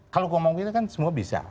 kalau ngomong kita kan semua bisa